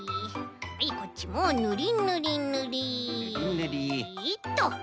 はいこっちもぬりぬりぬりっと。